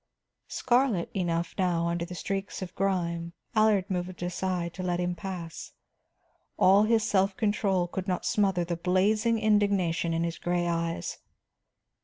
Scarlet enough now under the streaks of grime, Allard moved aside to let him pass. All his self control could not smother the blazing indignation in his gray eyes.